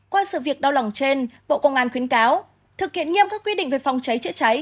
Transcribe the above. qua sự việc đau lòng trên bộ công an khuyến cáo thực hiện nghiêm các quy định về phòng cháy chữa cháy